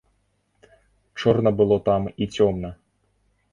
Чорна было там і цёмна.